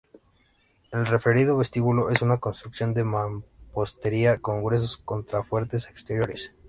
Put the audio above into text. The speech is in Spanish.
El referido vestíbulo es una construcción de mampostería, con gruesos contrafuertes exteriores.